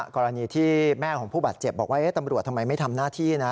กรณีที่แม่ของผู้บาดเจ็บบอกว่าตำรวจทำไมไม่ทำหน้าที่นะ